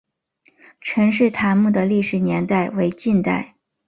陈式坦墓的历史年代为近代。